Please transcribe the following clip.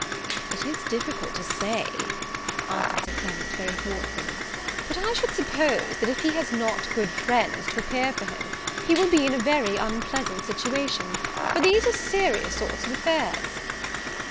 "It is difficult to say," answered Sir Clement, very thoughtfully; "but I should suppose, that if he has not good friends to appear for him, he will be in a very unpleasant situation; for these are serious sorts of affairs."